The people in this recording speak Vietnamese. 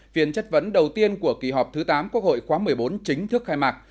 phiên chất vấn đầu tiên của kỳ họp thứ tám quốc hội khóa một mươi bốn chính thức khai mạc